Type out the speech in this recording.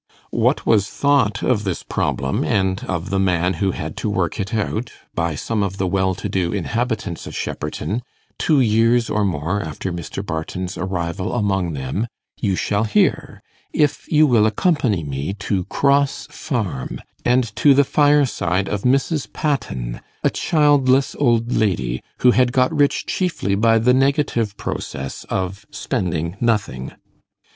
What was thought of this problem, and of the man who had to work it out, by some of the well to do inhabitants of Shepperton, two years or more after Mr. Barton's arrival among them, you shall hear, if you will accompany me to Cross Farm, and to the fireside of Mrs. Patten, a childless old lady, who had got rich chiefly by the negative process of spending nothing.